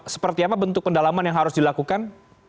seperti apa bentuk pendalaman yang harus dilakukan